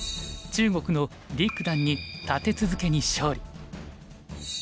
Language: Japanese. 中国の李九段に立て続けに勝利。